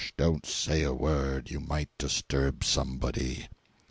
—don't say a word!—you might disturb somebody!"